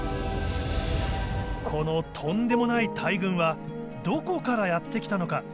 このとんでもない大群はどこからやって来たのか？